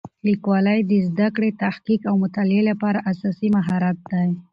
لیکوالی د زده کړې، تحقیق او مطالعې لپاره اساسي مهارت دی.